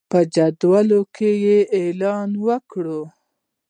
په جندول کې یې اعلان وکړ.